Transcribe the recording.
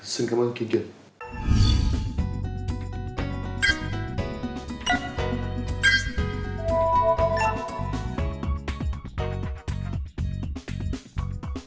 xin cảm ơn kênh truyền